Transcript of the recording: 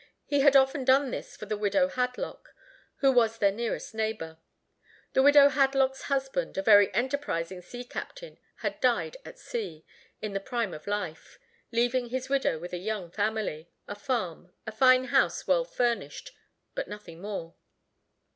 He had often done this for the widow Hadlock, who was their nearest neighbor. The widow Hadlock's husband, a very enterprising sea captain, had died at sea, in the prime of life, leaving his widow with a young family, a farm, a fine house well furnished, but nothing more.